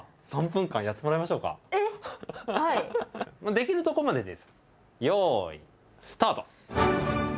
できるとこまででよいスタート！